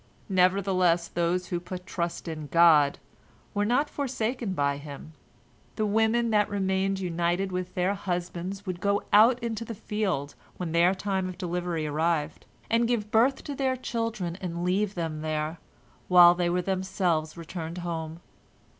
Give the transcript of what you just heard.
Nevertheless those who put trust in God were not forsaken by Him. The women that remained united with their husbands would go out into the field when their time of delivery arrived, and give birth to their children and leave them there, while they themselves returned home.